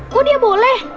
kok dia boleh